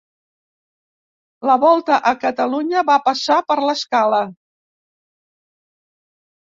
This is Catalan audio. La Volta a Catalumya va passar per l'Escala.